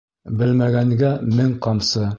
Белмәгәнгә мең ҡамсы.